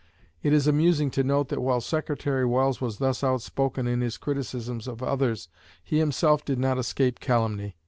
It is amusing to note that while Secretary Welles was thus outspoken in his criticisms of others, he himself did not escape calumny.